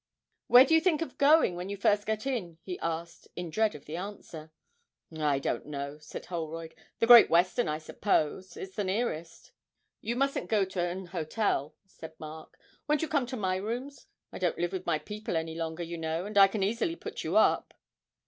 'Where do you think of going to first when you get in?' he asked, in dread of the answer. 'I don't know,' said Holroyd; 'the Great Western, I suppose it's the nearest.' 'You mustn't go to an hotel,' said Mark; 'won't you come to my rooms? I don't live with my people any longer, you know, and I can easily put you up.'